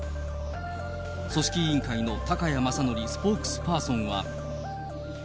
組織委員会の高谷まさのりスポークスパーソンは。